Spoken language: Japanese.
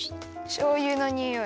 しょうゆのにおい。